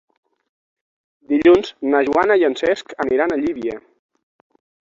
Dilluns na Joana i en Cesc aniran a Llívia.